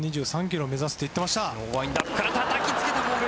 １２３キロを目指すって言ってました。